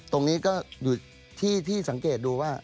ตรงนี้ก็อยู่ที่สังเกตดูว่า